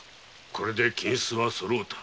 これで金子はそろうた。